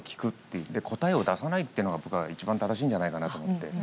で答えを出さないっていうのが僕は一番正しいんじゃないかなと思って。